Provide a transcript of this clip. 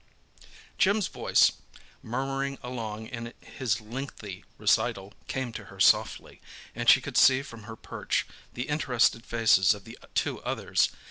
Jim's voice, murmuring along in his lengthy recital, came to her softly, and she could see from her perch the interested faces of the two others.